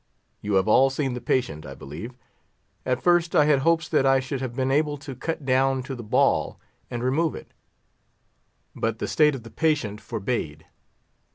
You have all seen the patient, I believe. At first I had hopes that I should have been able to cut down to the ball, and remove it; but the state of the patient forbade.